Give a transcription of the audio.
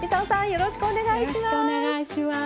よろしくお願いします。